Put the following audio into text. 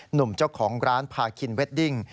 หนุ่มเจ้าของร้านพาคินเวดดิ้ง